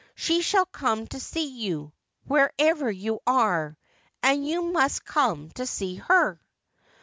' She shall come to see you, wherever you are, and you must come to see her.'